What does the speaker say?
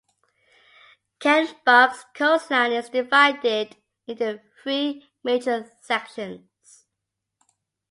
Kennebunk's coastline is divided into three major sections.